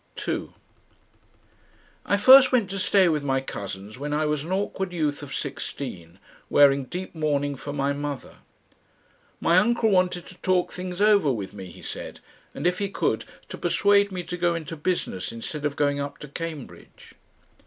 2 I first went to stay with my cousins when I was an awkward youth of sixteen, wearing deep mourning for my mother. My uncle wanted to talk things over with me, he said, and if he could, to persuade me to go into business instead of going up to Cambridge.